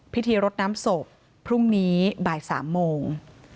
พิธีรดน้ำศพพรุ่งนี้บ่าย๓โมง